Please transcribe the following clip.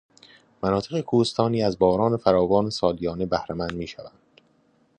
مناطق کوهستانی از باران فراوان سالیانه بهرهمند میشوند.